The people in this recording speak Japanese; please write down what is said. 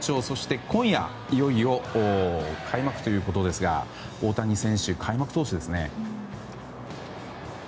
そして、今夜いよいよ開幕ということですが大谷選手は開幕投手ですね。